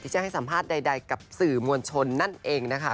จะให้สัมภาษณ์ใดกับสื่อมวลชนนั่นเองนะคะ